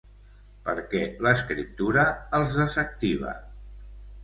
Perquè l'escriptura els desactiva.